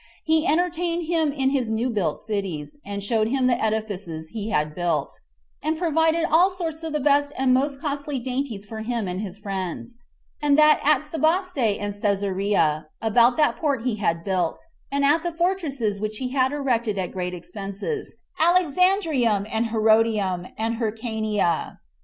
He entertained him in his new built cities, and showed him the edifices he had built, and provided all sorts of the best and most costly dainties for him and his friends, and that at Sebaste and Cæsarea, about that port that he had built, and at the fortresses which he had erected at great expenses, Alexandrium, and Herodium, and Hyrcania.